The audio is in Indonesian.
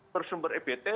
terus sumber ebt